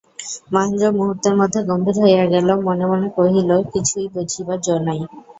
মহেন্দ্র মুহূর্তের মধ্যে গম্ভীর হইয়া গেল–মনে মনে কহিল, কিছুই বুঝিবার জো নাই।